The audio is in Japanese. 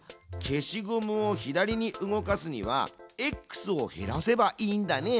消しゴムを左に動かすにはＸを減らせばいいんだね。